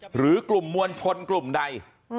หรือกลุ่มมวลชนกลุ่มใด